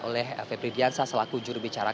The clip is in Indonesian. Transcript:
oleh fepri viansa selaku jurubicara